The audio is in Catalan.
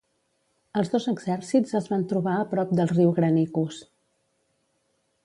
Els dos exèrcits es van trobar a prop del riu Granicus.